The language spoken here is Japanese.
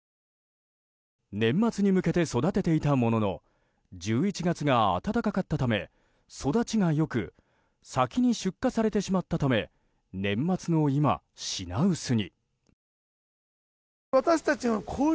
年末に向けて育てていたものの１１月が暖かかったため育ちが良く先に出荷されてしまったため年末の今、品薄に。